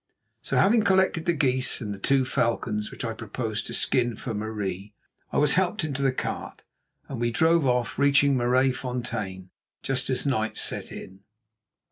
So having collected the geese and the two falcons, which I proposed to skin for Marie, I was helped into the cart, and we drove off, reaching Maraisfontein just as night set in.